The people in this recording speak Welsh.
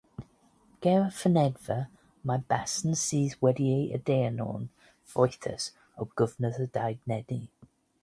Ger y fynedfa, mae basn sydd wedi'i addurno'n foethus o gyfnod y Dadeni.